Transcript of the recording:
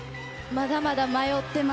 まだまだ迷ってます。